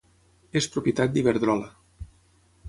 És propietat d'Iberdrola.